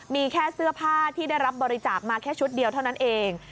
มีแค่เสื้อผ้าที่ได้รับบริจาคมาแค่ชุดเดียวเท่านั้นเอง